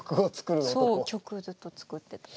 そう曲をずっと作ってた。